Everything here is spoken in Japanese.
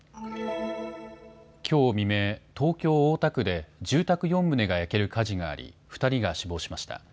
きょう未明、東京大田区で住宅４棟が焼ける火事があり、２人が死亡しました。